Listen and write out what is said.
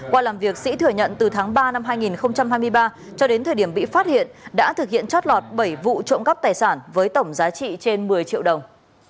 qua làm việc sĩ thừa nhận từ tháng ba năm hai nghìn hai mươi ba cho đến thời điểm bị phát hiện đã thực hiện chót lọt bảy vụ trộm cắp tài sản với tổng giá trị trên một mươi triệu đồng